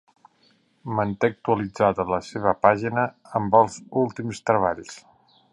Manté actualitzada la seva pàgina amb els últims treballs.